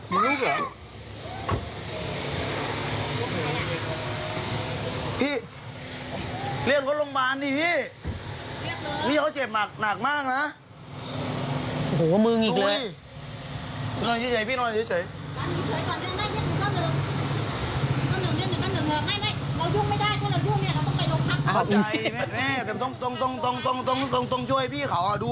มาดูว่าคนเก็บดีพี่